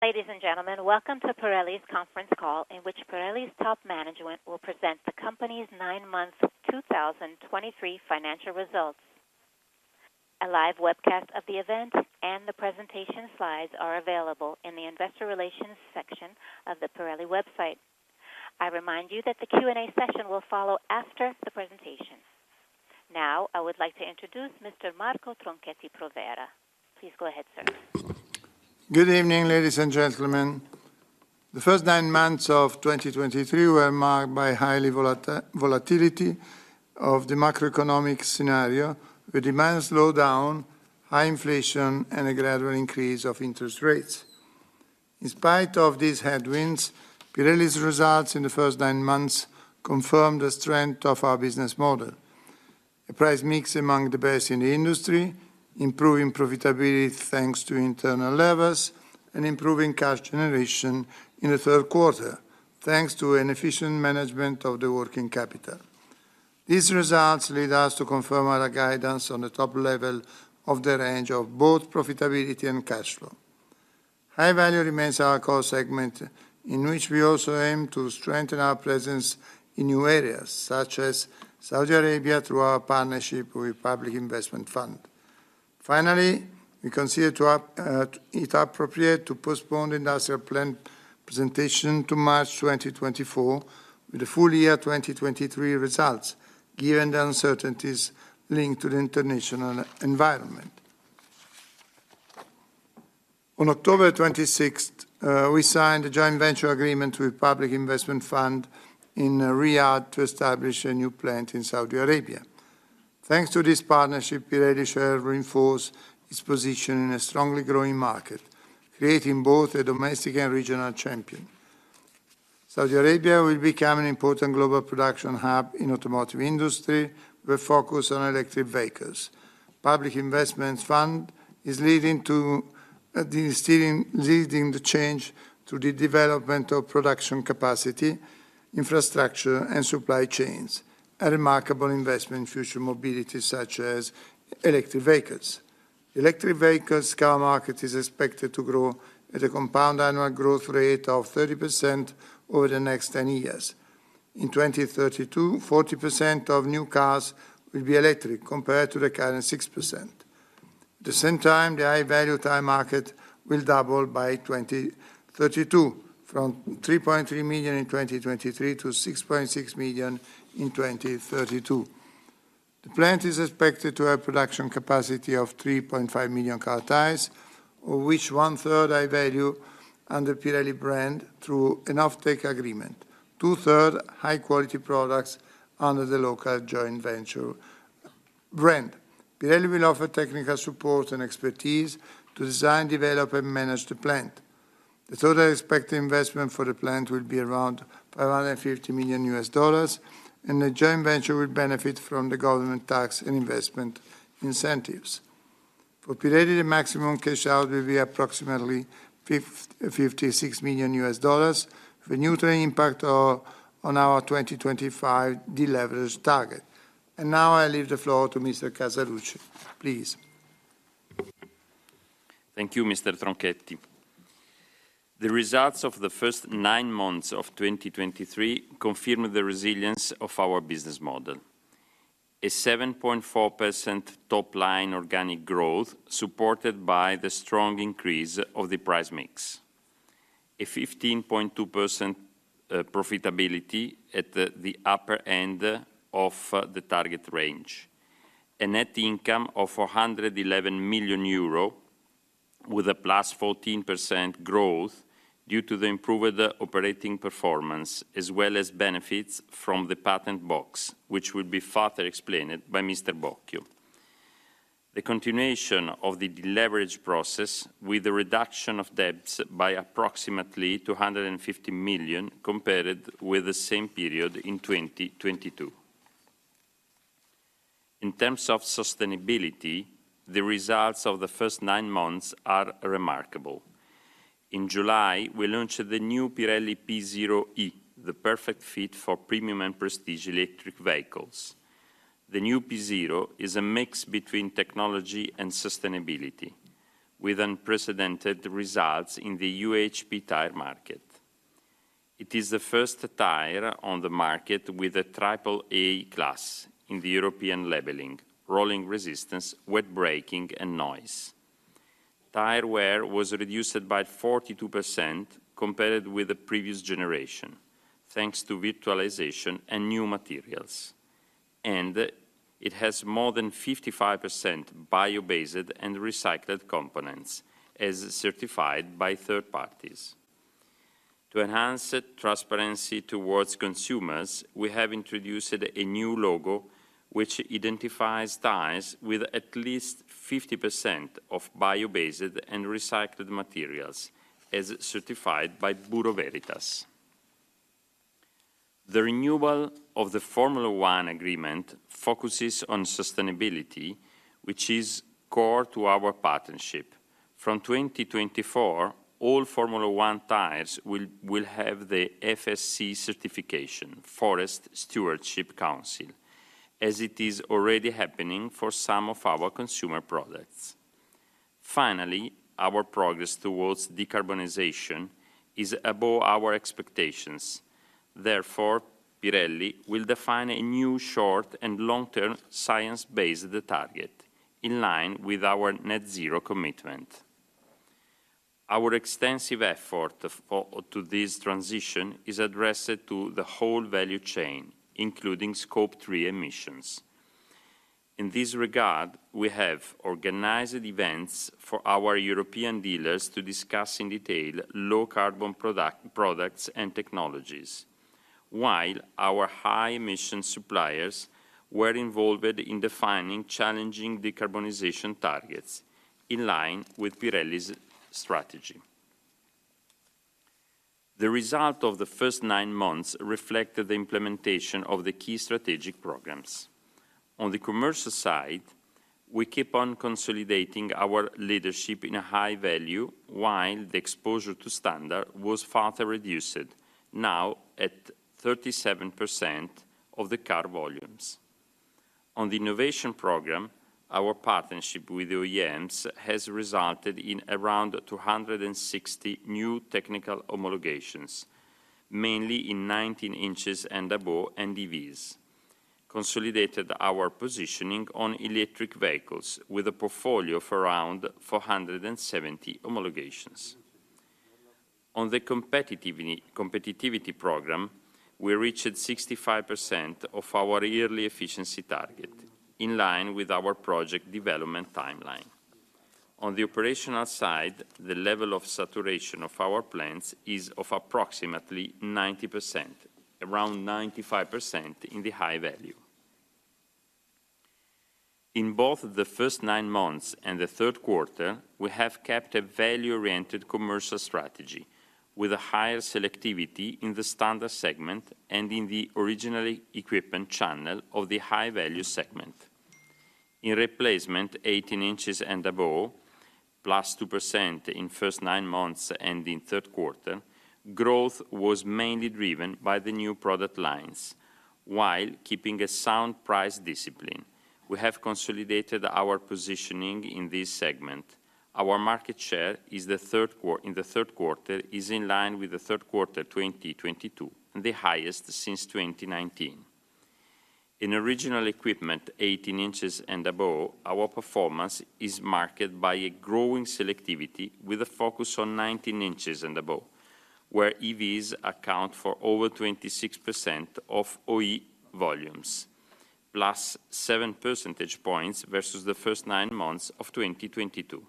Ladies and gentlemen, welcome to Pirelli's conference call, in which Pirelli's top management will present the company's nine months, 2023 financial results. A live webcast of the event and the presentation slides are available in the Investor Relations section of the Pirelli website. I remind you that the Q&A session will follow after the presentation. Now, I would like to introduce Mr. Marco Tronchetti Provera. Please go ahead, sir. Good evening, ladies and gentlemen. The first nine months of 2023 were marked by highly volatile macroeconomic scenario, with demand slowdown, high inflation, and a gradual increase of interest rates. In spite of these headwinds, Pirelli's results in the first nine months confirmed the strength of our business model. A Price Mix among the best in the industry, improving profitability, thanks to internal levers, and improving cash generation in the third quarter, thanks to an efficient management of the working capital. These results lead us to confirm our guidance on the top level of the range of both profitability and cash flow. High Value remains our core segment, in which we also aim to strengthen our presence in new areas, such as Saudi Arabia, through our partnership with Public Investment Fund. Finally, we consider it appropriate to postpone the industrial plan presentation to March 2024, with the full year 2023 results, given the uncertainties linked to the international environment. On October 26th, we signed a joint venture agreement with Public Investment Fund in Riyadh to establish a new plant in Saudi Arabia. Thanks to this partnership, Pirelli shall reinforce its position in a strongly growing market, creating both a domestic and regional champion. Saudi Arabia will become an important global production hub in automotive industry, with focus on electric vehicles. Public Investment Fund is leading the change to the development of production capacity, infrastructure, and supply chains, a remarkable investment in future mobility, such as electric vehicles. Electric vehicles car market is expected to grow at a compound annual growth rate of 30% over the next 10 years. In 2032, 40% of new cars will be electric, compared to the current 6%. At the same time, the high-value tire market will double by 2032, from 3.3 million in 2023 to 6.6 million in 2032. The plant is expected to have production capacity of 3.5 million car tires, of which one-third high-value under Pirelli brand through an offtake agreement. Two-thirds, high-quality products under the local joint venture brand. Pirelli will offer technical support and expertise to design, develop, and manage the plant. The total expected investment for the plant will be around $550 million, and the joint venture will benefit from the government tax and investment incentives. For Pirelli, the maximum cash out will be approximately $56 million, with a neutral impact on our 2025 deleverage target. And now I leave the floor to Mr. Casaluci. Please. Thank you, Mr. Tronchetti. The results of the first nine months of 2023 confirm the resilience of our business model. A 7.4% top line organic growth, supported by the strong increase of the price mix. A 15.2% profitability at the upper end of the target range. A net income of 411 million euro, with a +14% growth due to the improved operating performance, as well as benefits from the patent box, which will be further explained by Mr. Bocchio. The continuation of the deleverage process, with a reduction of debts by approximately 250 million, compared with the same period in 2022. In terms of sustainability, the results of the first nine months are remarkable. In July, we launched the new Pirelli P Zero E, the perfect fit for premium and prestige electric vehicles. The new P Zero is a mix between technology and sustainability, with unprecedented results in the UHP tire market. It is the first tire on the market with a triple A class in the European labeling, rolling resistance, wet braking, and noise. Tire wear was reduced by 42% compared with the previous generation, thanks to virtualization and new materials. It has more than 55% bio-based and recycled components, as certified by third parties. To enhance the transparency towards consumers, we have introduced a new logo, which identifies tires with at least 50% of bio-based and recycled materials, as certified by Bureau Veritas. The renewal of the Formula One agreement focuses on sustainability, which is core to our partnership. From 2024, all Formula One tires will have the FSC certification, Forest Stewardship Council... as it is already happening for some of our consumer products. Finally, our progress towards decarbonization is above our expectations. Therefore, Pirelli will define a new short- and long-term science-based target, in line with our net zero commitment. Our extensive effort to this transition is addressed to the whole value chain, including Scope Three emissions. In this regard, we have organized events for our European dealers to discuss in detail low carbon products and technologies, while our high emission suppliers were involved in defining challenging decarbonization targets in line with Pirelli's strategy. The result of the first nine months reflected the implementation of the key strategic programs. On the commercial side, we keep on consolidating our leadership in High Value, while the exposure to Standard was further reduced, now at 37% of the car volumes. On the innovation program, our partnership with OEMs has resulted in around 260 new technical homologations, mainly in 19 inches and above, and EVs, consolidated our positioning on electric vehicles with a portfolio of around 470 homologations. On the competitiveness program, we reached 65% of our yearly efficiency target, in line with our project development timeline. On the operational side, the level of saturation of our plants is approximately 90%, around 95% in High Value. In both the first nine months and the third quarter, we have kept a value-oriented commercial strategy, with a higher selectivity in the standard segment and in the original equipment channel of the high-value segment. In replacement, 18 inches and above, +2% in first nine months and in third quarter, growth was mainly driven by the new product lines, while keeping a sound price discipline. We have consolidated our positioning in this segment. Our market share in the third quarter is in line with the third quarter, 2022, and the highest since 2019. In original equipment, 18 inches and above, our performance is marked by a growing selectivity with a focus on 19 inches and above, where EVs account for over 26% of OE volumes, +7 percentage points versus the first nine months of 2022.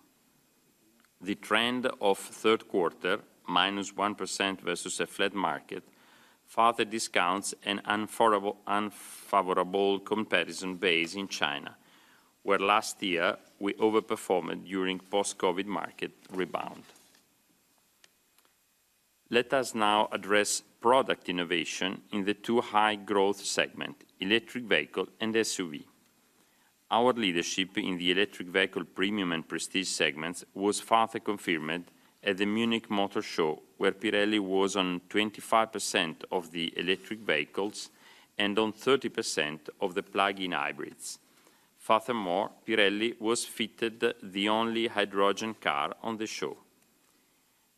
The trend of third quarter, -1% versus a flat market, further discounts an unfavorable comparison base in China, where last year we overperformed during post-COVID market rebound. Let us now address product innovation in the two high-growth segment: electric vehicle and SUV. Our leadership in the electric vehicle premium and prestige segments was further confirmed at the Munich Motor Show, where Pirelli was on 25% of the electric vehicles and on 30% of the plug-in hybrids. Furthermore, Pirelli was fitted the only hydrogen car on the show.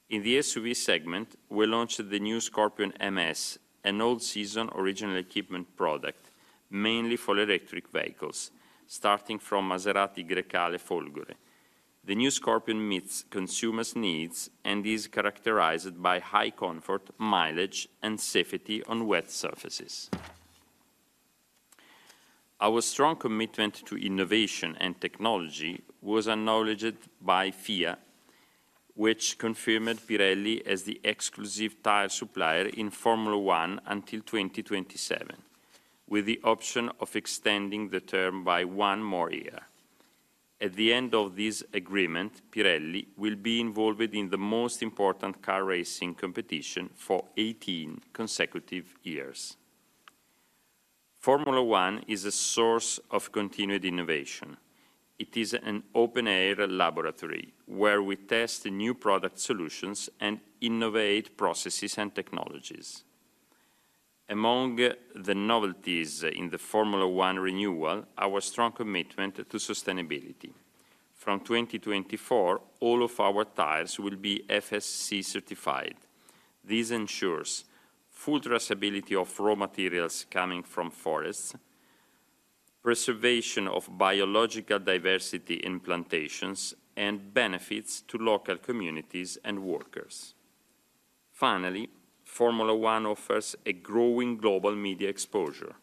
In the SUV segment, we launched the new Scorpion MS, an all-season original equipment product, mainly for electric vehicles, starting from Maserati Grecale Folgore. The new Scorpion meets consumers' needs and is characterized by high comfort, mileage, and safety on wet surfaces. Our strong commitment to innovation and technology was acknowledged by FIA, which confirmed Pirelli as the exclusive tire supplier in Formula One until 2027, with the option of extending the term by one more year. At the end of this agreement, Pirelli will be involved in the most important car racing competition for 18 consecutive years. Formula One is a source of continued innovation. It is an open-air laboratory where we test new product solutions and innovate processes and technologies. Among the novelties in the Formula One renewal, our strong commitment to sustainability. From 2024, all of our tires will be FSC certified. This ensures full traceability of raw materials coming from forests, preservation of biological diversity in plantations, and benefits to local communities and workers. Finally, Formula One offers a growing global media exposure,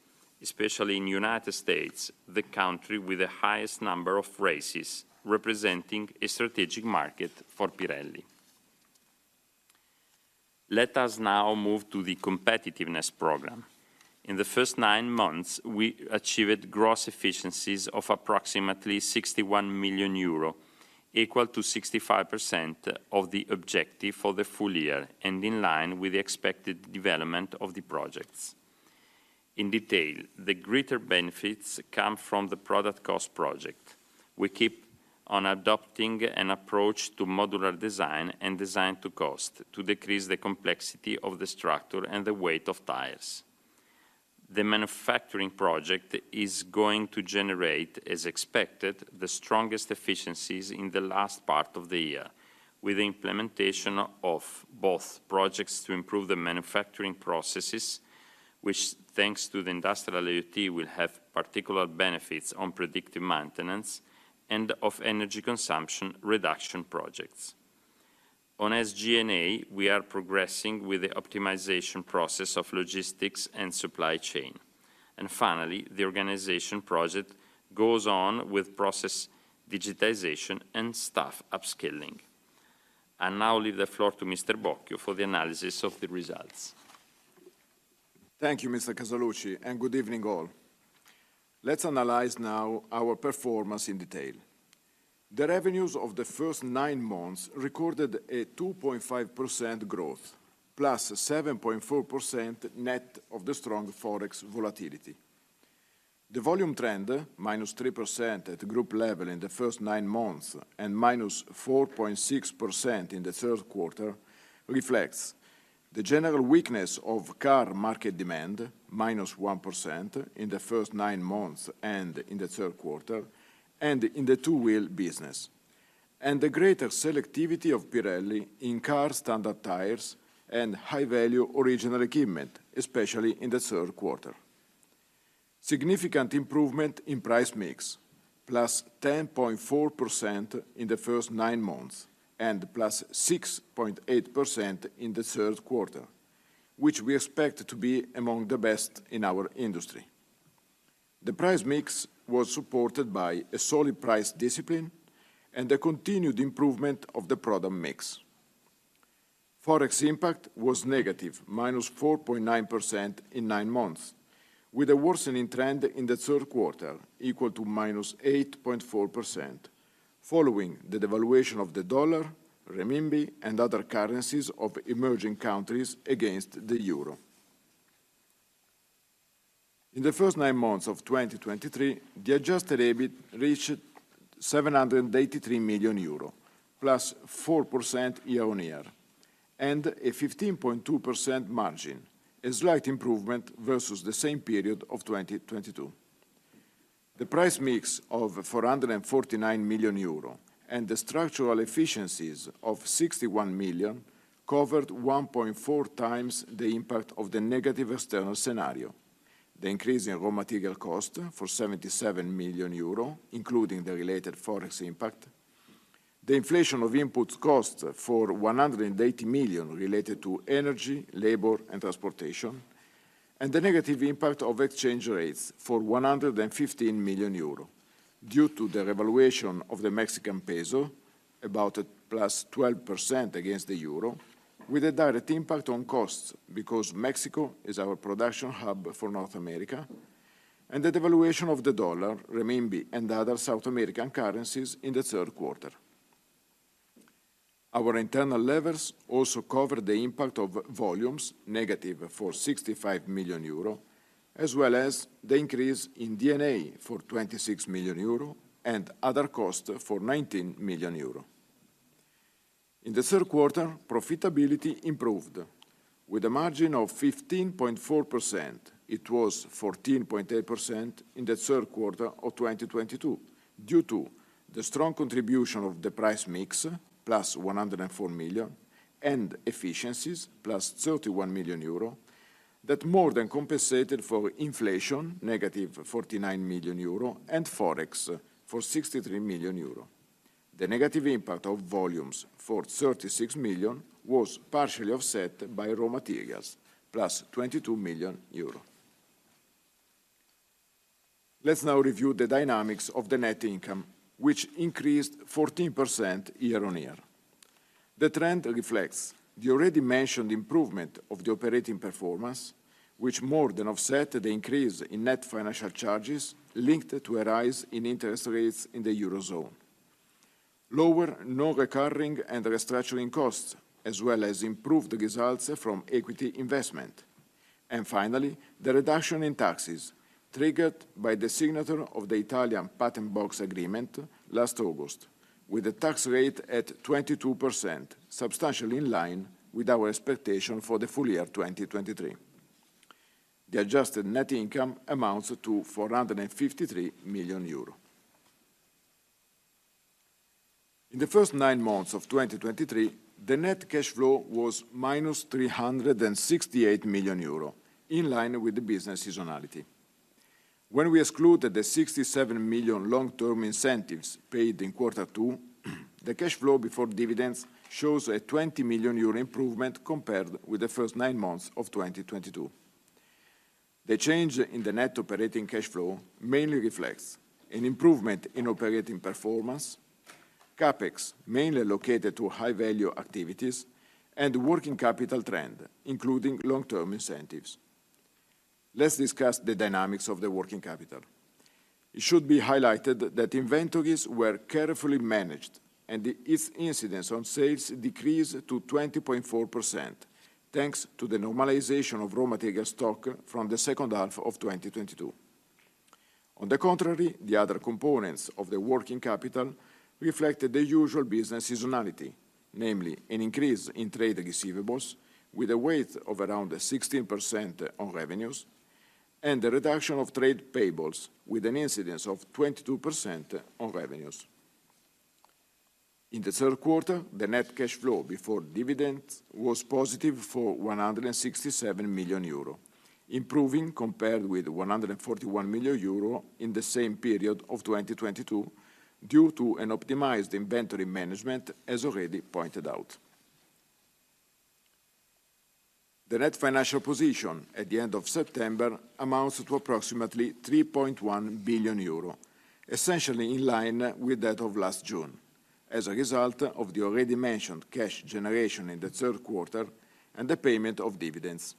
especially in the United States, the country with the highest number of races, representing a strategic market for Pirelli. Let us now move to the competitiveness program. In the first nine months, we achieved gross efficiencies of approximately 61 million euro, equal to 65% of the objective for the full year and in line with the expected development of the projects. In detail, the greater benefits come from the product cost project. We keep on adopting an approach to modular design and design to cost, to decrease the complexity of the structure and the weight of tires. The manufacturing project is going to generate, as expected, the strongest efficiencies in the last part of the year, with the implementation of both projects to improve the manufacturing processes, which, thanks to the Industrial IoT, will have particular benefits on predictive maintenance and of energy consumption reduction projects. On SG&A, we are progressing with the optimization process of logistics and supply chain. And finally, the organization project goes on with process digitization and staff upskilling. I now leave the floor to Mr. Bocchio for the analysis of the results. Thank you, Mr. Casaluci, and good evening, all. Let's analyze now our performance in detail. The revenues of the first nine months recorded a 2.5% growth, +7.4% net of the strong forex volatility. The volume trend, -3% at group level in the first nine months, and -4.6% in the third quarter, reflects the general weakness of car market demand, -1%, in the first nine months and in the third quarter, and in the two-wheel business, and the greater selectivity of Pirelli in car standard tires and high-value original equipment, especially in the third quarter. Significant improvement in price mix, +10.4% in the first nine months, and +6.8% in the third quarter, which we expect to be among the best in our industry. The price mix was supported by a solid price discipline and a continued improvement of the product mix. forex impact was negative, -4.9% in nine months, with a worsening trend in the third quarter, equal to -8.4%, following the devaluation of the dollar, renminbi, and other currencies of emerging countries against the euro. In the first nine months of 2023, the Adjusted EBIT reached 783 million euro, +4% year-on-year, and a 15.2% margin, a slight improvement versus the same period of 2022. The price mix of 449 million euro and the structural efficiencies of 61 million covered 1.4 times the impact of the negative external scenario: the increase in raw material cost for 77 million euro, including the related forex impact, the inflation of input costs for 180 million related to energy, labor, and transportation, and the negative impact of exchange rates for 115 million euro, due to the revaluation of the Mexican peso, about +12% against the euro, with a direct impact on costs because Mexico is our production hub for North America, and the devaluation of the dollar, renminbi, and other South American currencies in the third quarter. Our internal levers also covered the impact of volumes, negative for 65 million euro, as well as the increase in D&A for 26 million euro and other costs for 19 million euro. In the third quarter, profitability improved with a margin of 15.4%. It was 14.8% in the third quarter of 2022, due to the strong contribution of the price mix, plus 104 million, and efficiencies, plus 31 million euro, that more than compensated for inflation, negative 49 million euro, and forex for 63 million euro. The negative impact of volumes for 36 million was partially offset by raw materials, plus 22 million euro. Let's now review the dynamics of the net income, which increased 14% year-on-year. The trend reflects the already mentioned improvement of the operating performance, which more than offset the increase in net financial charges linked to a rise in interest rates in the Eurozone. Lower non-recurring and restructuring costs, as well as improved results from equity investment. Finally, the reduction in taxes, triggered by the signature of the Italian Patent Box Agreement last August, with the tax rate at 22%, substantially in line with our expectation for the full year 2023. The adjusted net income amounts to 453 million euro. In the first nine months of 2023, the net cash flow was -368 million euro, in line with the business seasonality. When we excluded the 67 million long-term incentives paid in quarter two, the cash flow before dividends shows a 20 million euro improvement compared with the first nine months of 2022. The change in the net operating cash flow mainly reflects: an improvement in operating performance, CapEx, mainly located to high-value activities, and working capital trend, including long-term incentives. Let's discuss the dynamics of the working capital. It should be highlighted that inventories were carefully managed and its incidence on sales decreased to 20.4%, thanks to the normalization of raw material stock from the second half of 2022. On the contrary, the other components of the working capital reflected the usual business seasonality, namely an increase in trade receivables, with a weight of around 16% on revenues, and the reduction of trade payables with an incidence of 22% on revenues. In the third quarter, the net cash flow before dividends was positive for 167 million euro, improving compared with 141 million euro in the same period of 2022, due to an optimized inventory management, as already pointed out. The net financial position at the end of September amounts to approximately 3.1 billion euro, essentially in line with that of last June, as a result of the already mentioned cash generation in the third quarter and the payment of dividends.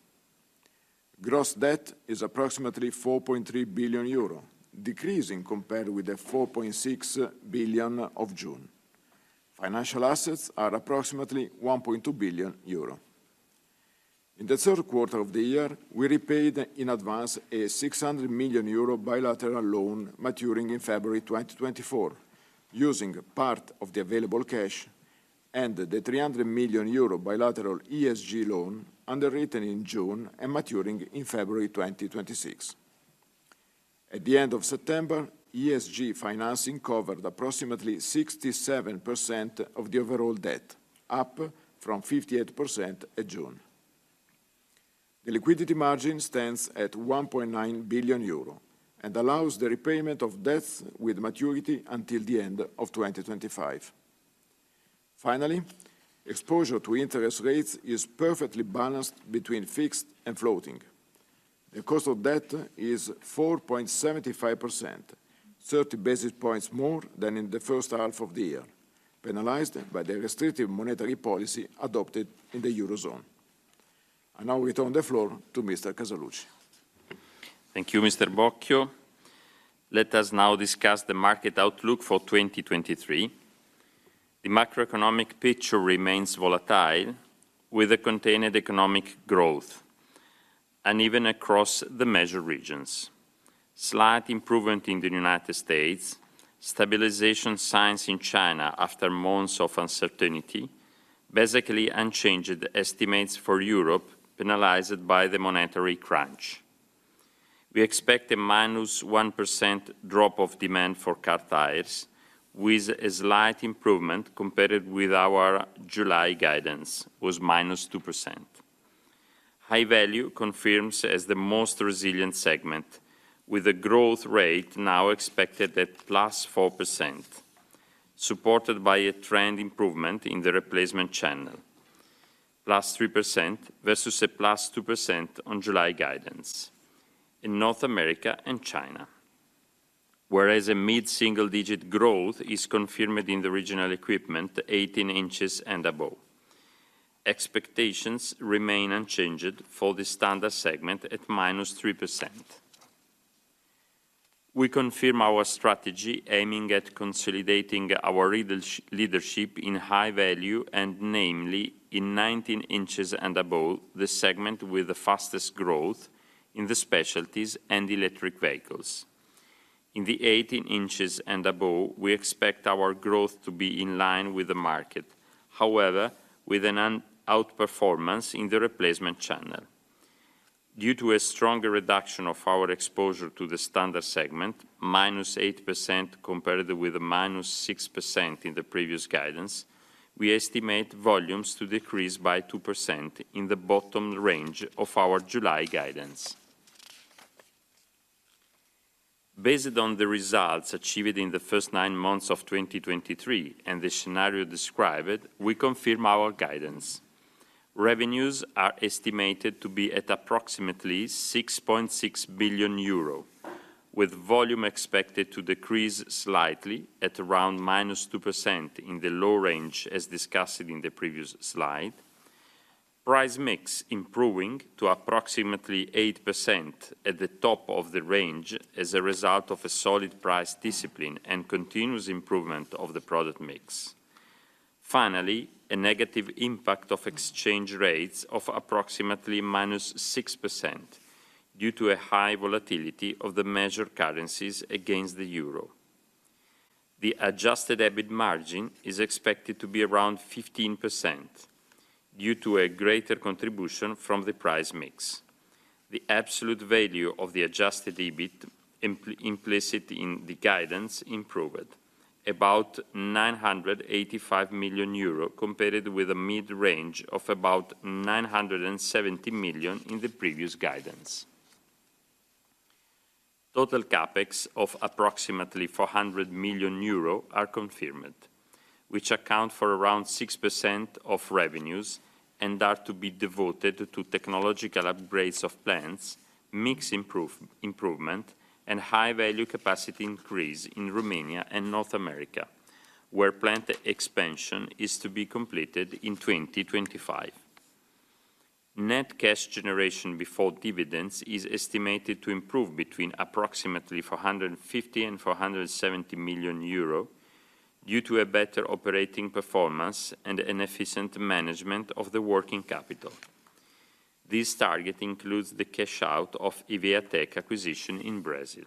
Gross debt is approximately 4.3 billion euro, decreasing compared with the 4.6 billion of June. Financial assets are approximately 1.2 billion euro. In the third quarter of the year, we repaid in advance a 600 million euro bilateral loan maturing in February 2024, using part of the available cash and the 300 million euro bilateral ESG loan underwritten in June and maturing in February 2026. At the end of September, ESG financing covered approximately 67% of the overall debt, up from 58% in June. The liquidity margin stands at 1.9 billion euro, and allows the repayment of debts with maturity until the end of 2025. Finally, exposure to interest rates is perfectly balanced between fixed and floating. The cost of debt is 4.75%, 30 basis points more than in the first half of the year, penalized by the restrictive monetary policy adopted in the Eurozone. I now return the floor to Mr. Casaluci. Thank you, Mr. Bocchio. Let us now discuss the market outlook for 2023. The macroeconomic picture remains volatile, with a contained economic growth, and even across the measured regions. Slight improvement in the United States, stabilization signs in China after months of uncertainty, basically unchanged estimates for Europe, penalized by the monetary crunch. We expect a -1% drop of demand for car tires, with a slight improvement compared with our July guidance, was -2%. High Value confirms as the most resilient segment, with a growth rate now expected at +4%, supported by a trend improvement in the replacement channel, +3% versus a +2% on July guidance in North America and China. Whereas a mid-single-digit growth is confirmed in the original equipment, 18 inches and above. Expectations remain unchanged for the Standard segment at -3%. We confirm our strategy, aiming at consolidating our leadership in High Value and namely in 19 inches and above, the segment with the fastest growth in the specialties and electric vehicles. In the 18 inches and above, we expect our growth to be in line with the market, however, with an outperformance in the Replacement channel. Due to a stronger reduction of our exposure to the Standard segment, -8% compared with the -6% in the previous guidance, we estimate volumes to decrease by 2% in the bottom range of our July guidance. Based on the results achieved in the first nine months of 2023 and the scenario described, we confirm our guidance. Revenues are estimated to be at approximately 6.6 billion euro, with volume expected to decrease slightly at around -2% in the low range, as discussed in the previous slide. Price Mix improving to approximately 8% at the top of the range as a result of a solid price discipline and continuous improvement of the product mix. Finally, a negative impact of exchange rates of approximately -6% due to a high volatility of the measured currencies against the euro. The Adjusted EBIT margin is expected to be around 15% due to a greater contribution from the Price Mix. The absolute value of the Adjusted EBIT, implicit in the guidance, improved: about 985 million euro, compared with a mid-range of about 970 million in the previous guidance. Total CapEx of approximately 400 million euro are confirmed, which account for around 6% of revenues and are to be devoted to technological upgrades of plants, mix improvement, and High Value capacity increase in Romania and North America, where plant expansion is to be completed in 2025. Net cash generation before dividends is estimated to improve between approximately 450 million and 470 million euro, due to a better operating performance and an efficient management of the working capital. This target includes the cash out of Hevea-Tec acquisition in Brazil.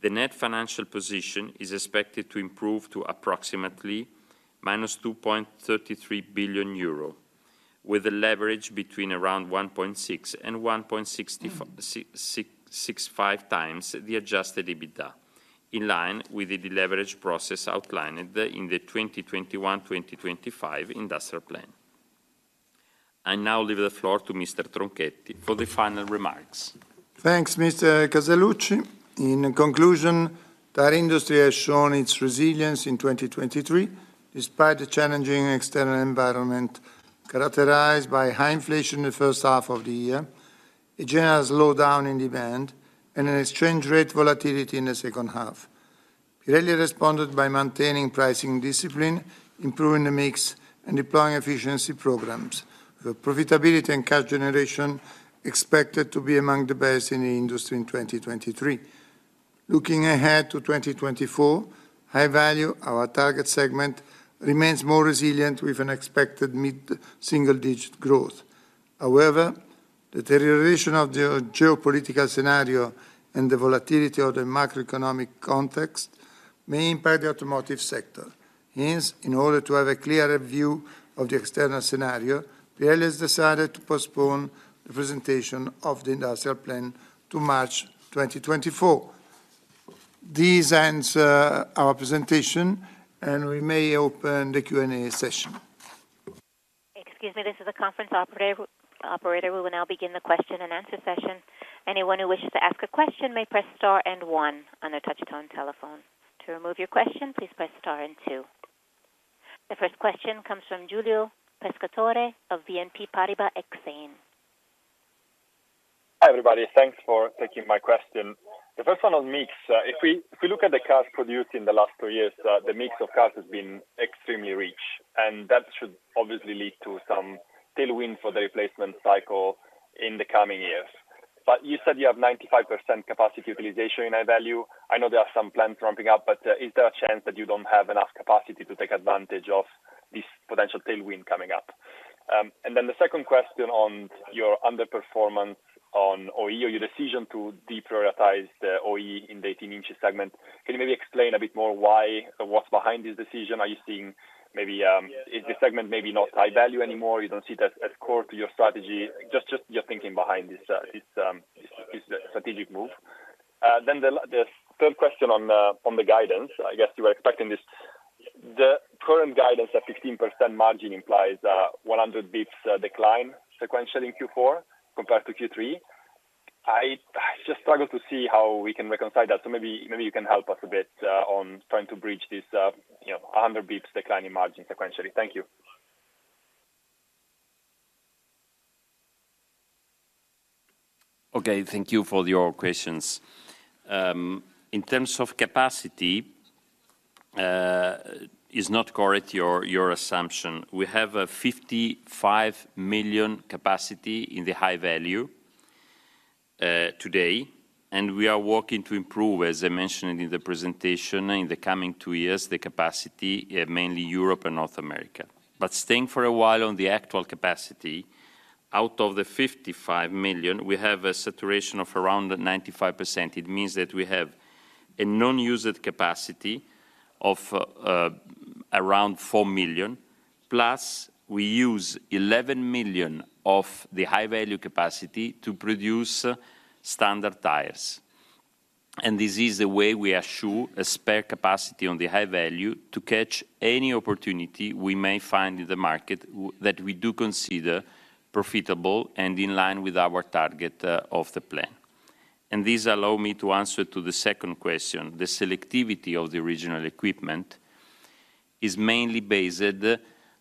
The net financial position is expected to improve to approximately -2.33 billion euro, with a leverage between around 1.6 and 1.665 times the adjusted EBITDA, in line with the deleverage process outlined in the 2021/2025 industrial plan. I now leave the floor to Mr. Tronchetti for the final remarks. Thanks, Mr. Casaluci. In conclusion, tire industry has shown its resilience in 2023, despite the challenging external environment, characterized by high inflation in the first half of the year, a general slowdown in demand, and an exchange rate volatility in the second half. Pirelli responded by maintaining pricing discipline, improving the mix, and deploying efficiency programs, with profitability and cash generation expected to be among the best in the industry in 2023. Looking ahead to 2024, High Value, our target segment, remains more resilient with an expected mid-single-digit growth. However, the deterioration of the geopolitical scenario and the volatility of the macroeconomic context may impact the automotive sector. Hence, in order to have a clearer view of the external scenario, Pirelli has decided to postpone the presentation of the industrial plan to March 2024. This ends our presentation, and we may open the Q&A session. Excuse me, this is the conference operator, operator. We will now begin the question-and-answer session. Anyone who wishes to ask a question may press star and one on their touchtone telephone. To remove your question, please press star and two. The first question comes from Giulio Pescatore of BNP Paribas Exane. Hi, everybody. Thanks for taking my question. The first one on mix. If we, if we look at the cars produced in the last two years, the mix of cars has been extremely rich, and that should obviously lead to some tailwind for the replacement cycle in the coming years. But you said you have 95% capacity utilization in High Value. I know there are some plants ramping up, but, is there a chance that you don't have enough capacity to take advantage of this potential tailwind coming up? And then the second question on your underperformance on OE, or your decision to deprioritize the OE in the 18 inch segment. Can you maybe explain a bit more why or what's behind this decision? Are you seeing maybe, Is this segment maybe not High Value anymore? You don't see it as core to your strategy. Just your thinking behind this strategic move. Then the third question on the guidance. I guess you were expecting this. The current guidance of 15% margin implies 100 basis points decline sequentially in Q4 compared to Q3. I just struggle to see how we can reconcile that, so maybe you can help us a bit on trying to bridge this, you know, a 100 basis points decline in margin sequentially. Thank you. Okay, thank you for your questions. In terms of capacity, is not correct, your, your assumption. We have a 55 million capacity in the High Value today, and we are working to improve, as I mentioned in the presentation, in the coming two years, the capacity, mainly Europe and North America. But staying for a while on the actual capacity, out of the 55 million, we have a saturation of around 95%. It means that we have a non-used capacity of around 4 million, plus we use 11 million of the High Value capacity to produce Standard tires. And this is the way we assure a spare capacity on the High Value to catch any opportunity we may find in the market that we do consider profitable and in line with our target of the plan. This allow me to answer to the second question. The selectivity of the original equipment is mainly based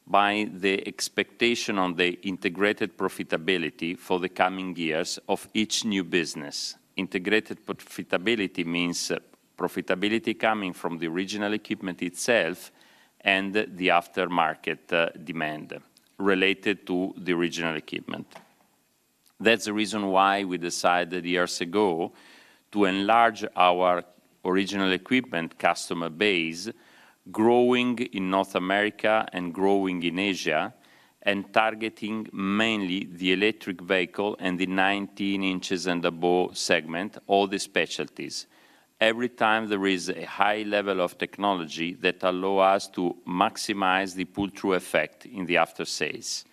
by the expectation on the integrated profitability for the coming years of each new business. Integrated profitability means profitability coming from the original equipment itself and the aftermarket, demand related to the original equipment. That's the reason why we decided years ago to enlarge our original equipment customer base, growing in North America and growing in Asia, and targeting mainly the electric vehicle and the 19 inches and above segment, all the specialties. Every time there is a high level of technology that allow us to maximize the pull-through effect in the after-sales.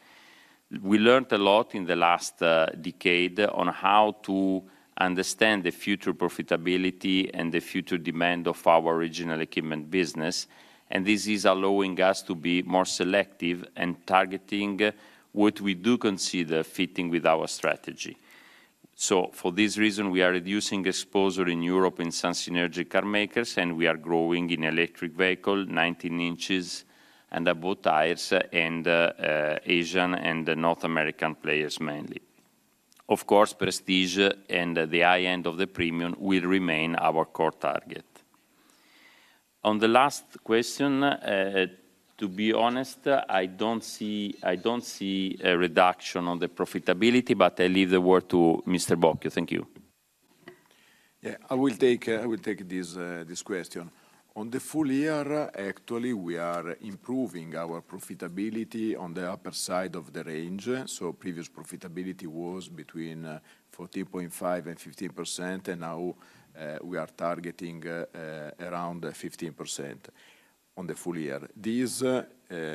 We learned a lot in the last decade on how to understand the future profitability and the future demand of our original equipment business, and this is allowing us to be more selective and targeting what we do consider fitting with our strategy. So for this reason, we are reducing exposure in Europe in some synergy car makers, and we are growing in electric vehicle, 19 inches and above tires, and Asian and North American players, mainly. Of course, prestige and the high end of the premium will remain our core target. On the last question, to be honest, I don't see, I don't see a reduction on the profitability, but I leave the word to Mr. Bocchio. Thank you. Yeah, I will take, I will take this question. On the full year, actually, we are improving our profitability on the upper side of the range. So previous profitability was between 14.5% and 15%, and now we are targeting around 15% on the full year. This,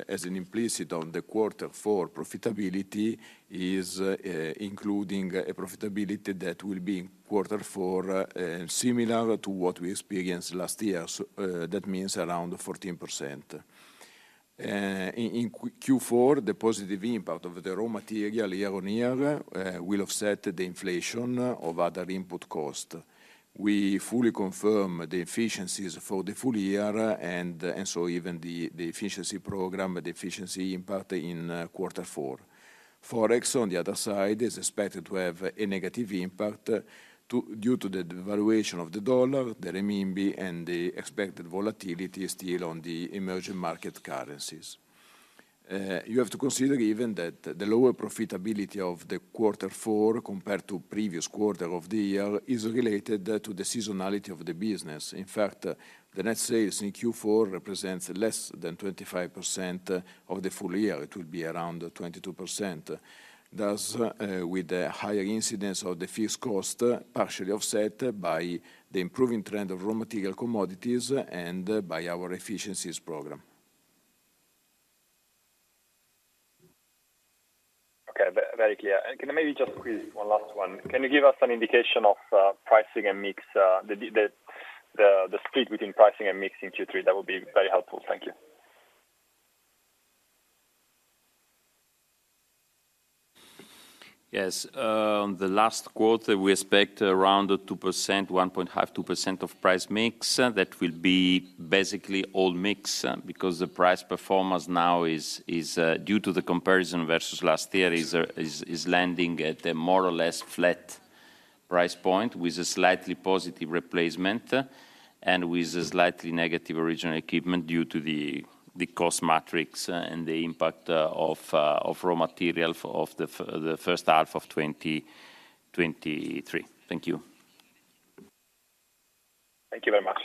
as is implicit in the quarter four profitability, is including a profitability that will be in quarter four similar to what we experienced last year. So that means around 14%. In Q4, the positive impact of the raw material year-on-year will offset the inflation of other input costs. We fully confirm the efficiencies for the full year, and so even the efficiency program, the efficiency impact in quarter four. Forex, on the other side, is expected to have a negative impact due to the devaluation of the dollar, the renminbi, and the expected volatility still on the emerging market currencies. You have to consider even that the lower profitability of quarter four, compared to previous quarter of the year, is related to the seasonality of the business. In fact, the net sales in Q4 represents less than 25%, of the full year. It will be around 22%. Thus, with the higher incidence of the fixed cost, partially offset by the improving trend of raw material commodities and by our efficiencies program. Okay, very clear. Can I maybe just quiz one last one? Can you give us an indication of pricing and mix, the split between pricing and mix in Q3? That would be very helpful. Thank you. Yes, the last quarter, we expect around 2%, 1.5%-2% of price mix. That will be basically all mix, because the price performance now is due to the comparison versus last year, is landing at a more or less flat price point, with a slightly positive replacement, and with a slightly negative original equipment due to the cost matrix, and the impact of raw material for the first half of 2023. Thank you. Thank you very much.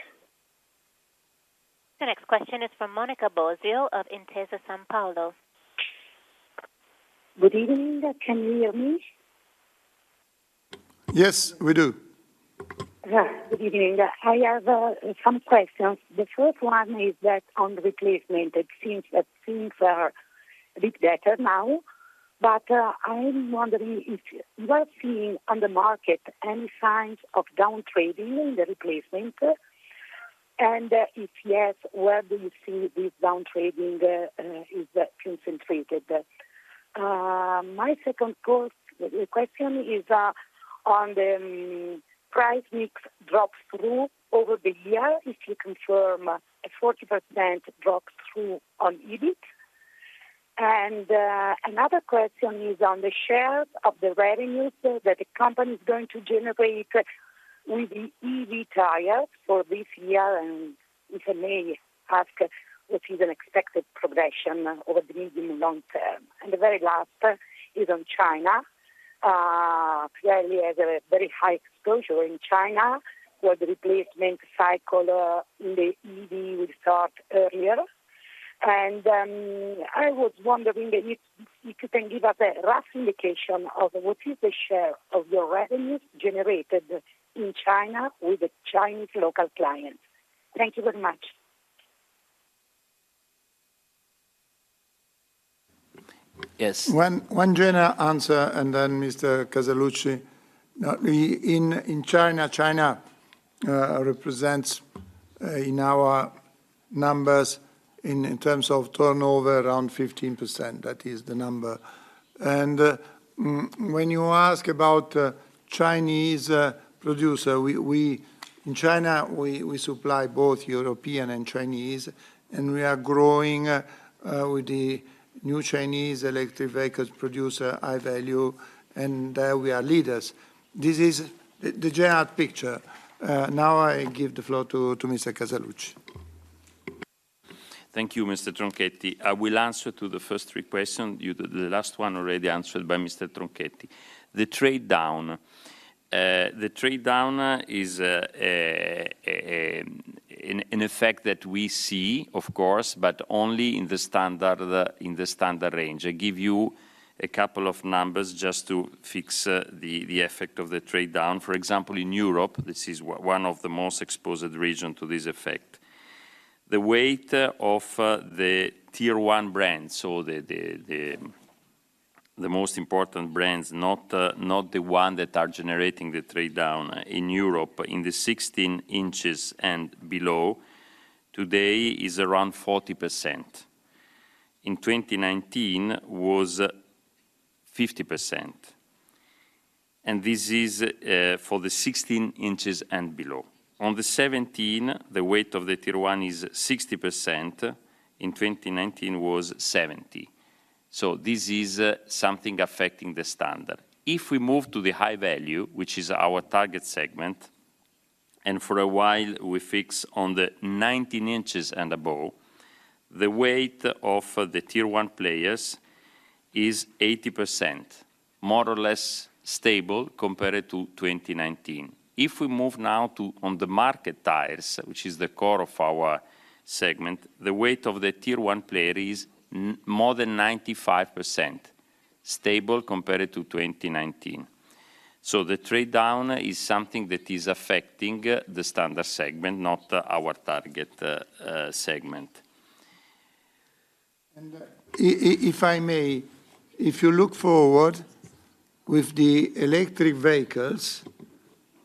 The next question is from Monica Bosio of Intesa Sanpaolo. Good evening. Can you hear me? Yes, we do. Yeah, good evening. I have some questions. The first one is that on the replacement, it seems that things are a bit better now. But, I'm wondering if you are seeing on the market any signs of down trading in the replacement? And, if yes, where do you see this down trading is concentrated at? My second question is on the price mix drop-through over the year, if you confirm a 40% drop-through on EBIT. And, another question is on the shares of the revenues that the company is going to generate with the EV tires for this year, and if you may ask, what is an expected progression over the medium long term? And the very last is on China. Pirelli has a very high exposure in China, where the replacement cycle in the EV will start earlier. And I was wondering if you can give us a rough indication of what is the share of your revenues generated in China with the Chinese local clients. Thank you very much. Yes. One general answer, and then Mr. Casaluci. In China, China represents in our numbers, in terms of turnover, around 15%. That is the number. And when you ask about Chinese producer, we... In China, we supply both European and Chinese, and we are growing with the new Chinese electric vehicles producer, high value, and we are leaders. This is the general picture. Now I give the floor to Mr. Casaluci. Thank you, Mr. Tronchetti. I will answer to the first three question. The last one already answered by Mr. Tronchetti. The trade down. The trade down is a, an effect that we see, of course, but only in the standard, in the standard range. I give you a couple of numbers just to fix the effect of the trade down. For example, in Europe, this is one of the most exposed region to this effect. The weight of the Tier One brands, so the most important brands, not the one that are generating the trade down in Europe, in the 16 inches and below, today is around 40%. In 2019, was 50%, and this is for the 16 inches and below. On the 17, the weight of the Tier One is 60%. In 2019, was 70%. So this is something affecting the Standard. If we move to the High Value, which is our target segment, and for a while we fix on the 19 inches and above, the weight of the Tier One players is 80%, more or less stable compared to 2019. If we move now to OEM tires, which is the core of our segment, the weight of the Tier One player is more than 95%, stable compared to 2019. So the trade down is something that is affecting the Standard segment, not our target segment. If I may, if you look forward with the electric vehicles,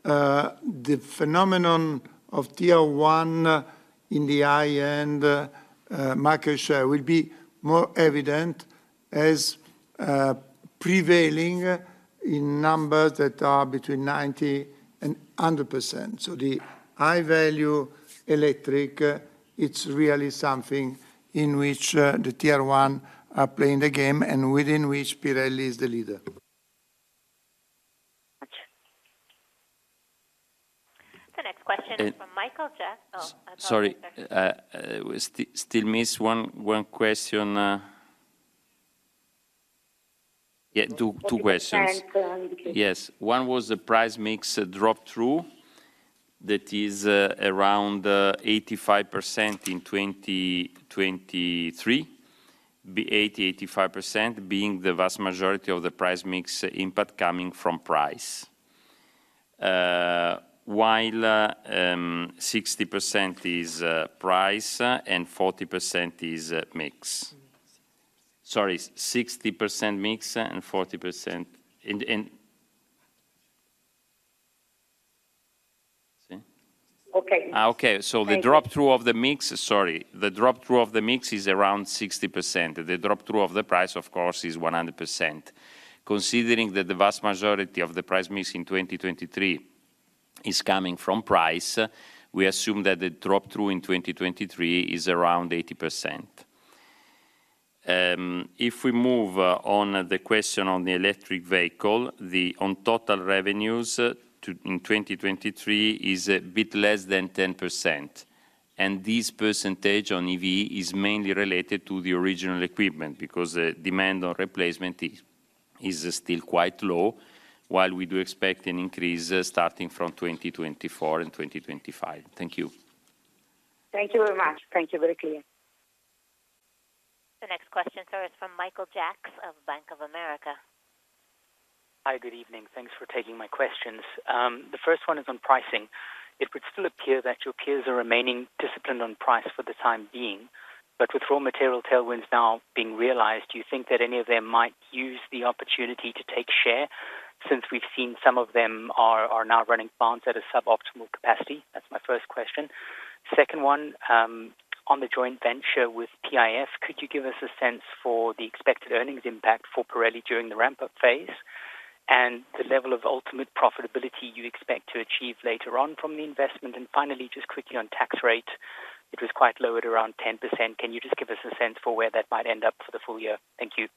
the phenomenon of Tier One in the high-end market share will be more evident as prevailing in numbers that are between 90 and 100%. So the High Value electric, it's really something in which the Tier One are playing the game and within which Pirelli is the leader. The next question is from Michael Jacks. Oh, apologies. Sorry, still miss one question. Yeah, two questions. Sorry, go on. Yes. One was the price mix drop-through, that is, around 85% in 2023. 85% being the vast majority of the price mix input coming from price. While 60% is price and 40% is mix. Sorry, 60% mix and 40% in, in... Okay. Okay. Thank you. So the drop-through of the mix. Sorry, the drop-through of the mix is around 60%. The drop-through of the price, of course, is 100%. Considering that the vast majority of the price mix in 2023 is coming from price, we assume that the drop-through in 2023 is around 80%. If we move on the question on the electric vehicle, the on total revenues in 2023 is a bit less than 10%, and this percentage on EV is mainly related to the original equipment, because the demand on replacement is still quite low, while we do expect an increase starting from 2024 and 2025. Thank you. Thank you very much. Thank you, very clear. The next question, sir, is from Michael Jacks of Bank of America. Hi, good evening. Thanks for taking my questions. The first one is on pricing. It would still appear that your peers are remaining disciplined on price for the time being, but with raw material tailwinds now being realized, do you think that any of them might use the opportunity to take share, since we've seen some of them are now running plants at a suboptimal capacity? That's my first question. Second one, on the joint venture with PIF, could you give us a sense for the expected earnings impact for Pirelli during the ramp-up phase and the level of ultimate profitability you expect to achieve later on from the investment? Finally, just quickly on tax rate, it was quite low at around 10%. Can you just give us a sense for where that might end up for the full year? Thank you.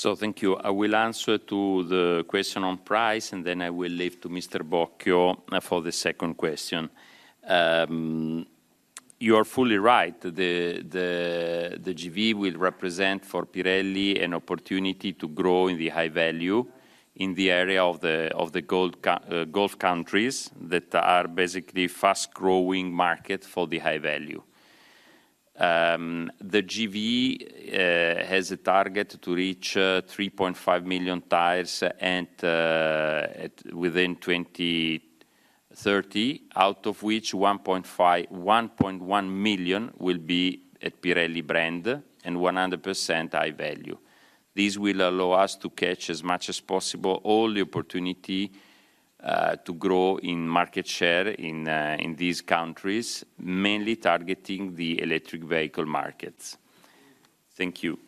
Thank you. I will answer to the question on price, and then I will leave to Mr. Bocchio for the second question. You are fully right. The GV will represent for Pirelli an opportunity to grow in the High Value in the area of the Gulf countries that are basically fast-growing market for the High Value. The GV has a target to reach 3.5 million tires and within 2030, out of which 1.1 million will be at Pirelli brand and 100% High Value. This will allow us to catch as much as possible all the opportunity to grow in market share in these countries, mainly targeting the electric vehicle markets. Thank you.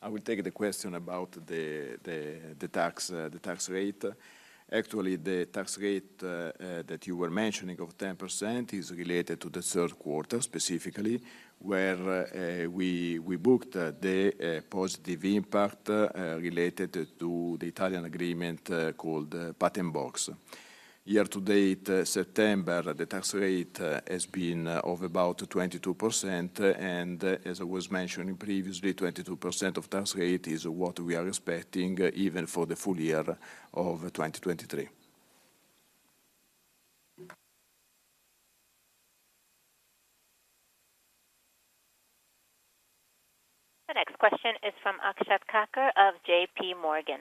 I will take the question about the tax rate. Actually, the tax rate that you were mentioning of 10% is related to the third quarter, specifically, where we booked the positive impact related to the Italian agreement called Patent Box. Year to date, September, the tax rate has been of about 22%, and as I was mentioning previously, 22% of tax rate is what we are expecting even for the full year of 2023. The next question is from Akshat Kacker of JP Morgan.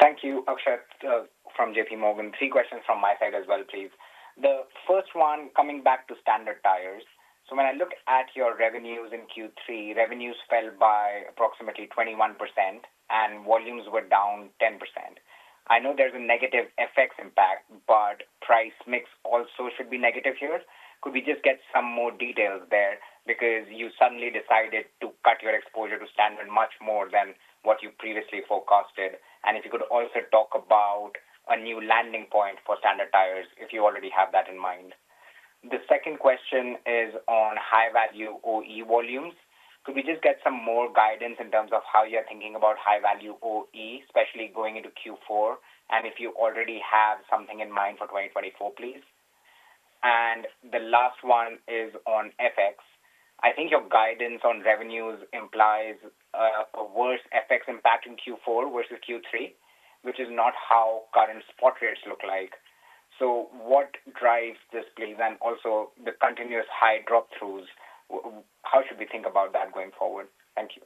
Thank you. Akshat from JP Morgan. Three questions from my side as well, please. The first one, coming back to Standard tires. So when I look at your revenues in Q3, revenues fell by approximately 21% and volumes were down 10%. I know there's a negative FX impact, but price mix also should be negative here. Could we just get some more details there? Because you suddenly decided to cut your exposure to Standard much more than what you previously forecasted. And if you could also talk about a new landing point for Standard tires, if you already have that in mind. The second question is on high value OE volumes. Could we just get some more guidance in terms of how you're thinking about high value OE, especially going into Q4? And if you already have something in mind for 2024, please. And the last one is on FX. I think your guidance on revenues implies a worse FX impact in Q4 versus Q3, which is not how current spot rates look like. So what drives this please, and also the continuous high drop-throughs, how should we think about that going forward? Thank you.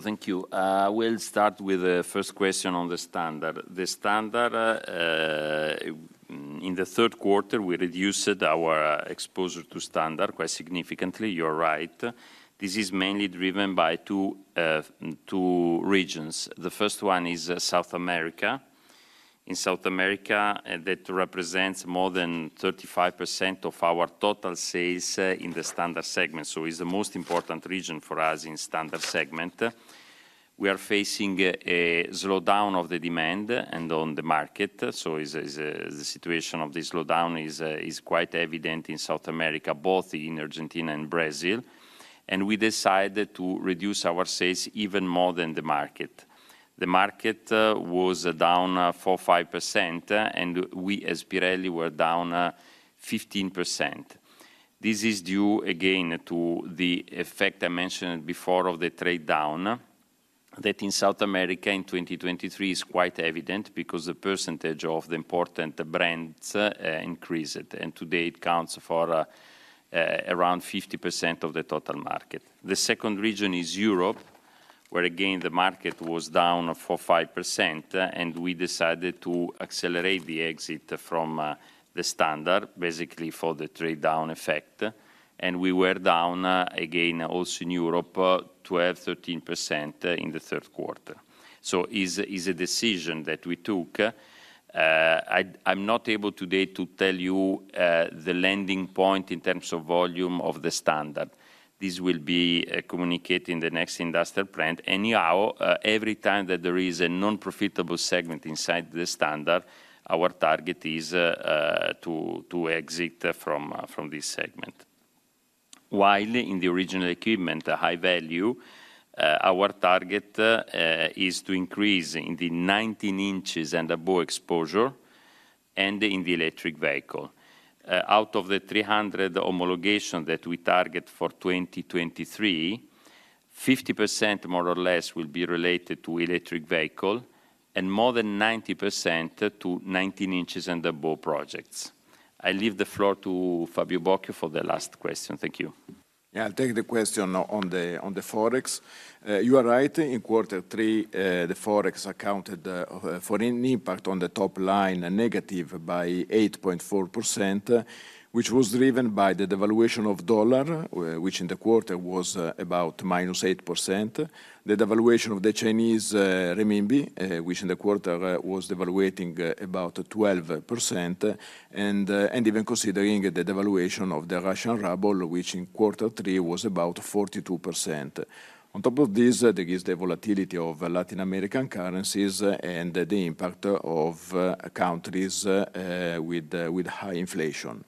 Thank you. We'll start with the first question on the standard. The standard, in the third quarter, we reduced our exposure to standard quite significantly. You're right. This is mainly driven by two regions. The first one is South America. In South America, that represents more than 35% of our total sales in the standard segment, so it is the most important region for us in standard segment. We are facing a slowdown of the demand and on the market, so the situation of the slowdown is quite evident in South America, both in Argentina and Brazil, and we decided to reduce our sales even more than the market. The market was down 4%-5%, and we, as Pirelli, were down 15%. This is due again to the effect I mentioned before of the trade down, that in South America in 2023 is quite evident because the percentage of the important brands increased, and today it counts for around 50% of the total market. The second region is Europe, where again, the market was down 4%-5%, and we decided to accelerate the exit from the standard, basically for the trade down effect. And we were down again, also in Europe, 12%-13% in the third quarter. So is a decision that we took. I, I'm not able today to tell you the landing point in terms of volume of the standard. This will be communicated in the next industrial plan. Anyhow, every time that there is a non-profitable segment inside the standard, our target is to exit from this segment. While in the original equipment, the high value, our target is to increase in the 19 inches and above exposure and in the electric vehicle. Out of the 300 homologation that we target for 2023, 50%, more or less, will be related to electric vehicle, and more than 90% to 19 inches and above projects. I leave the floor to Fabio Bocchio for the last question. Thank you. Yeah, I'll take the question on the forex. You are right, in quarter three, the forex accounted for an impact on the top line, negative by 8.4%, which was driven by the devaluation of dollar, which in the quarter was about -8%. The devaluation of the Chinese renminbi, which in the quarter was devaluing about 12%, and even considering the devaluation of the Russian ruble, which in quarter three was about 42%. On top of this, there is the volatility of Latin American currencies and the impact of countries with high inflation.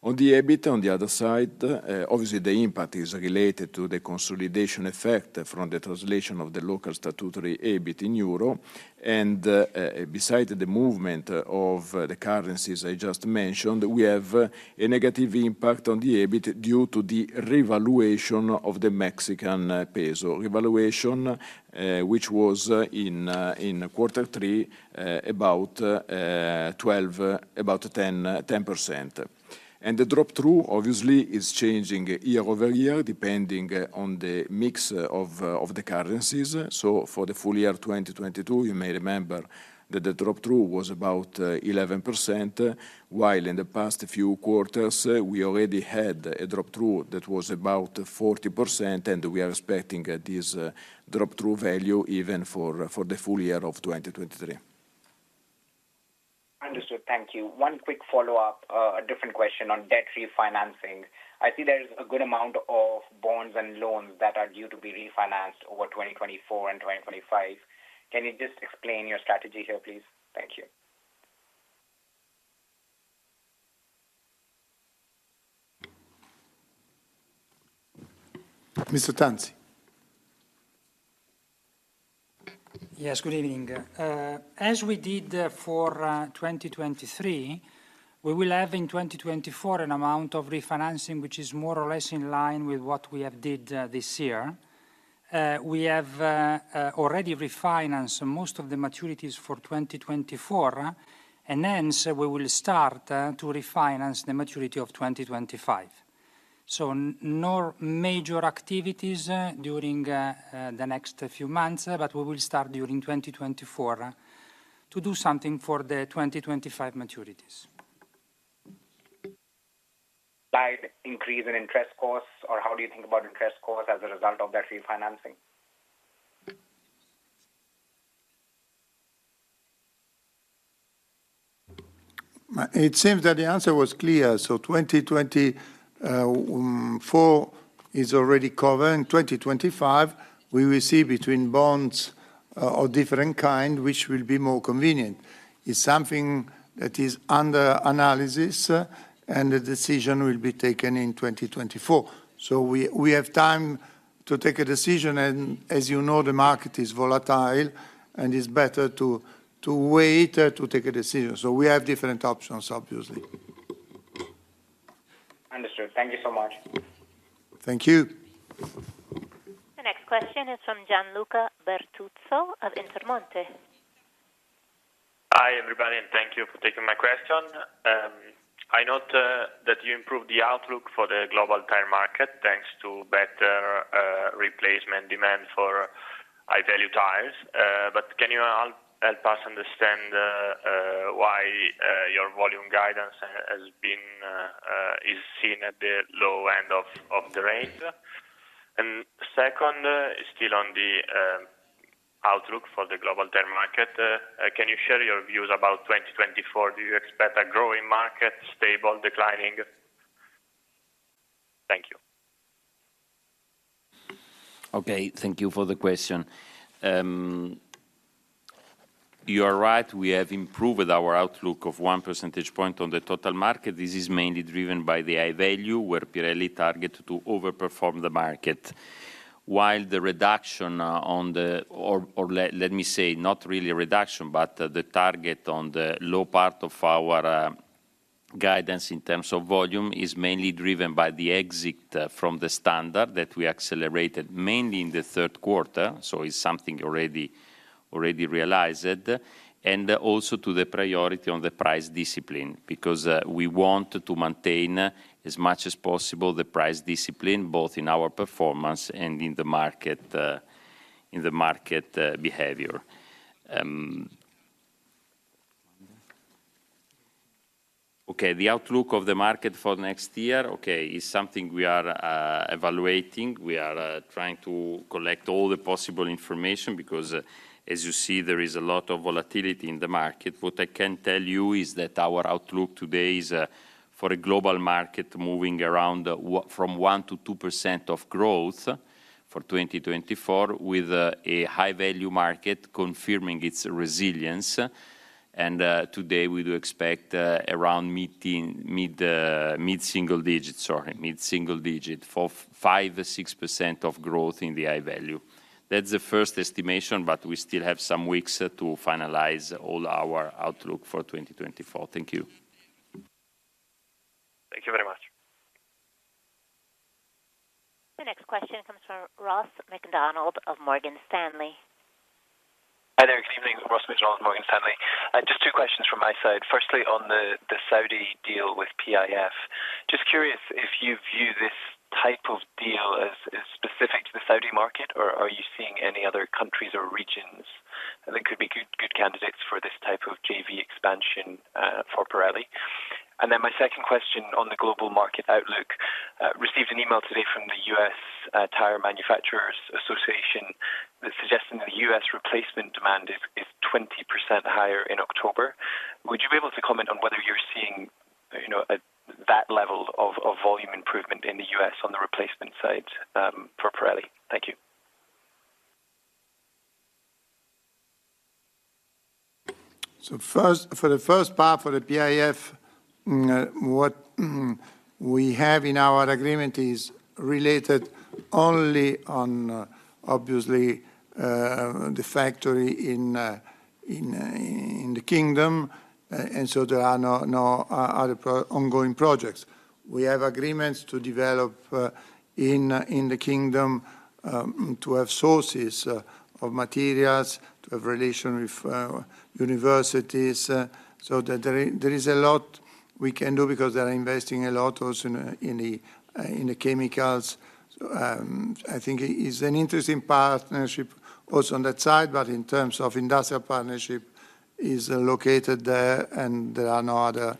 On the EBIT, on the other side, obviously, the impact is related to the consolidation effect from the translation of the local statutory EBIT in euro. Beside the movement of the currencies I just mentioned, we have a negative impact on the EBIT due to the revaluation of the Mexican peso. Revaluation, which was in quarter three, about 10%. The drop-through obviously is changing year-over-year, depending on the mix of the currencies. So for the full year 2022, you may remember that the drop-through was about 11%, while in the past few quarters, we already had a drop-through that was about 40%, and we are expecting this drop-through value even for the full year of 2023. Understood. Thank you. One quick follow-up, a different question on debt refinancing. I see there is a good amount of bonds and loans that are due to be refinanced over 2024 and 2025. Can you just explain your strategy here, please? Thank you. Mr. Tronchetti? Yes, good evening. As we did for 2023, we will have in 2024 an amount of refinancing, which is more or less in line with what we have did this year. We have already refinanced most of the maturities for 2024, and hence, we will start to refinance the maturity of 2025. So no major activities during the next few months, but we will start during 2024 to do something for the 2025 maturities. By increase in interest costs, or how do you think about interest costs as a result of that refinancing? It seems that the answer was clear. So 2024 is already covered. In 2025, we will see between bonds of different kind, which will be more convenient. It's something that is under analysis, and the decision will be taken in 2024. So we, we have time to take a decision, and as you know, the market is volatile, and it's better to, to wait to take a decision. So we have different options, obviously. Understood. Thank you so much. Thank you. The next question is from Gianluca Bertuzzo of Intermonte. Hi, everybody, and thank you for taking my question. I note that you improved the outlook for the global tire market, thanks to better replacement demand for high-value tires. But can you help us understand why your volume guidance is seen at the low end of the range? And second, still on the outlook for the global tire market, can you share your views about 2024? Do you expect a growing market, stable, declining? Thank you. Okay, thank you for the question. You are right, we have improved our outlook of 1 percentage point on the total market. This is mainly driven by the High Value, where Pirelli targeted to overperform the market. While the reduction on the or let me say, not really a reduction, but the target on the low part of our guidance in terms of volume is mainly driven by the exit from the Standard that we accelerated, mainly in the third quarter, so it's something already realized. And also to the priority on the price discipline, because we want to maintain as much as possible the price discipline, both in our performance and in the market behavior. Okay, the outlook of the market for next year is something we are evaluating. We are trying to collect all the possible information because, as you see, there is a lot of volatility in the market. What I can tell you is that our outlook today is for a global market moving around from 1%-2% of growth for 2024, with a High Value market confirming its resilience. Today, we do expect around mid-single digits, sorry, mid-single digit, for 5%-6% of growth in the High Value. That's the first estimation, but we still have some weeks to finalize all our outlook for 2024. Thank you. Thank you very much. The next question comes from Ross MacDonald of Morgan Stanley. Hi there. Good evening, Ross MacDonald, Morgan Stanley. Just two questions from my side. Firstly, on the, the Saudi deal with PIF, just curious if you view this type of deal as, as specific to the Saudi market, or are you seeing any other countries or regions that could be good, good candidates for this type of JV expansion, for Pirelli? And then my second question on the global market outlook, received an email today from the US, Tire Manufacturers Association, suggesting that US replacement demand is, is 20% higher in October. Would you be able to comment on whether you're seeing, you know, that level of, of volume improvement in the US on the replacement side, for Pirelli? Thank you. So first, for the first part, for the PIF, what we have in our agreement is related only on, obviously, the factory in the kingdom, and so there are no other ongoing projects. We have agreements to develop in the kingdom to have sources of materials, to have relation with universities, so that there is a lot we can do because they are investing a lot also in the chemicals. I think it's an interesting partnership also on that side, but in terms of industrial partnership, is located there, and there are no other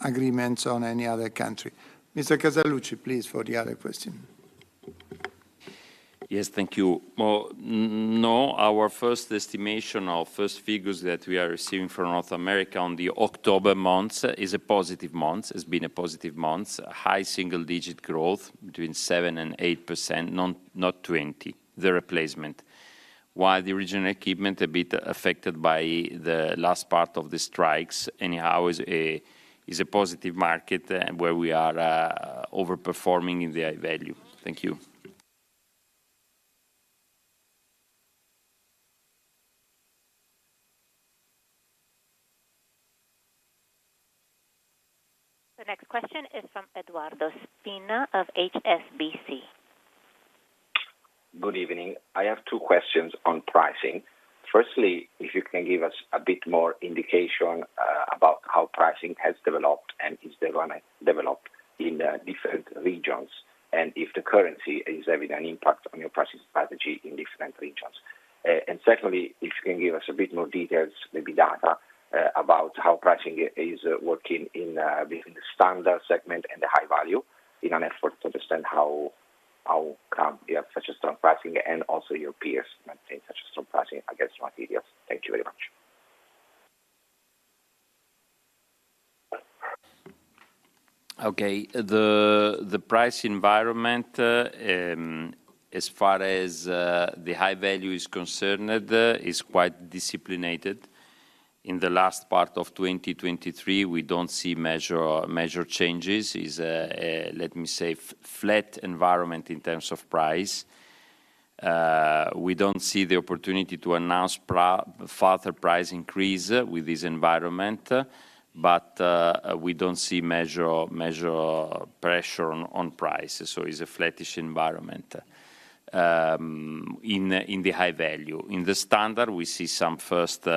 agreements on any other country. Mr. Casaluci, please, for the other question. Yes, thank you. Well, no, our first estimation, our first figures that we are receiving from North America on the October months is a positive month, has been a positive month. High single-digit growth between 7% and 8%, not, not 20%, the replacement. While the original equipment a bit affected by the last part of the strikes, anyhow, is a positive market and where we are overperforming in the High Value. Thank you. The next question is from Edoardo Spina of HSBC. Good evening. I have two questions on pricing. Firstly, if you can give us a bit more indication about how pricing has developed and is gonna develop in different regions, and if the currency is having an impact on your pricing strategy in different regions. And secondly, if you can give us a bit more details, maybe data, about how pricing is working in between the Standard segment and the High Value, in an effort to understand how come you have such a strong pricing and also your peers maintain such a strong pricing against raw materials? Thank you very much. Okay, the price environment, as far as the High Value is concerned, is quite disciplined. In the last part of 2023, we don't see major changes. It's a, let me say, flat environment in terms of price. We don't see the opportunity to announce further price increase with this environment, but we don't see major pressure on prices, so it's a flattish environment in the High Value. In the Standard, we see some first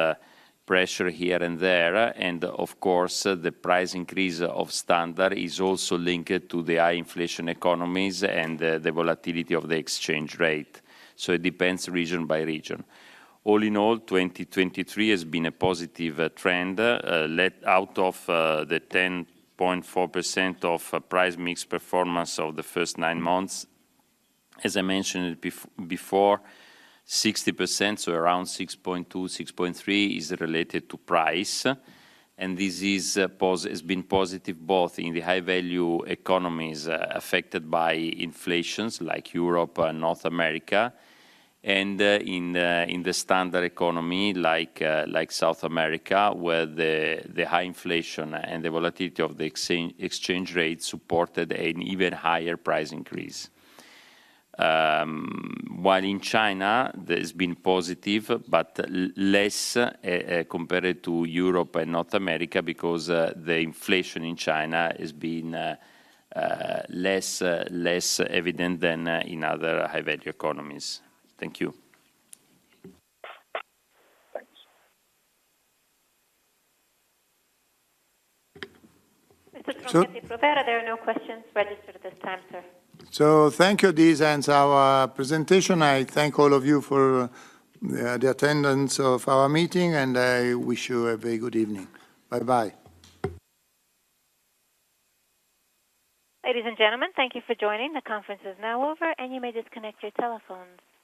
pressure here and there, and of course, the price increase of Standard is also linked to the high inflation economies and the volatility of the exchange rate. So it depends region by region. All in all, 2023 has been a positive trend. Out of the 10.4% of price mix performance of the first nine months, as I mentioned before, 60%, so around 6.2, 6.3, is related to price. And this has been positive both in the high-value economies affected by inflations like Europe and North America, and in the standard economy like South America, where the high inflation and the volatility of the exchange rate supported an even higher price increase. While in China, there's been positive, but less compared to Europe and North America, because the inflation in China has been less evident than in other high-value economies. Thank you. Thanks. Mr. Andrea Casaluci, there are no questions registered at this time, sir. Thank you, this ends our presentation. I thank all of you for the attendance of our meeting, and I wish you a very good evening. Bye-bye. Ladies and gentlemen, thank you for joining. The conference is now over, and you may disconnect your telephones.